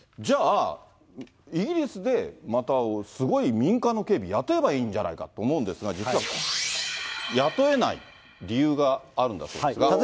じゃあ、イギリスでまたすごい民間の警備雇えばいいんじゃないかと思うんですが、実は雇えない理由があるんだそうですが。